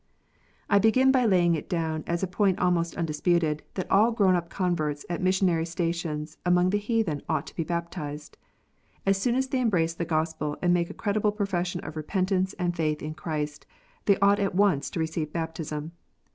I begin by laying it down as a point almost undisputed, that all grown up converts at missionary stations among the heathen ought to be baptized. As soon as they embrace the Gospel and make a credible profession of repentance and faith in Christ, they ought at once to receive baptism.